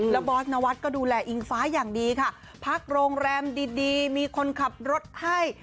แล้วบอสนวัฒน์ก็ดูแลอิงฟ้าอย่างดีค่ะพักโรงแรมดีมีคนขับรถให้